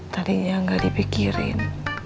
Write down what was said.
tadinya gak dipikirin